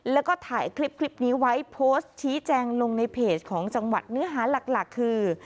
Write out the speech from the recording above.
แล้วก็ถ่ายคลิปนี้ไว้โพสต์ชี้แจงลงในเพจของจังหวัดเนื้อหาหลักคือ